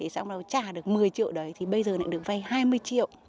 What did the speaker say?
xong nào trả được một mươi triệu đấy thì bây giờ lại được vay hai mươi triệu